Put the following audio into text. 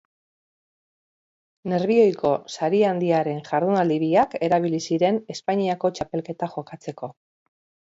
Nerbioiko Sari Handiaren jardunaldi biak erabili ziren Espainiako txapelketa jokatzeko.